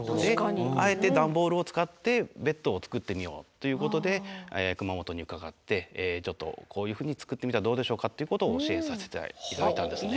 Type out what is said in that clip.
あえて段ボールを使ってベッドを作ってみようということで熊本に伺ってちょっとこういうふうに作ってみたらどうでしょうかということを教えさせて頂いたんですね。